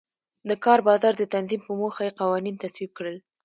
د کار بازار د تنظیم په موخه یې قوانین تصویب کړل.